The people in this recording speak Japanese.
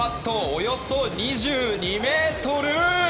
およそ２２ｍ！